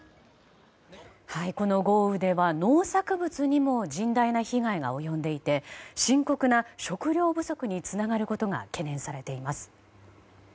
この豪雨では、農作物にも甚大な被害が及んでいて深刻な食料不足につながることが懸念されています。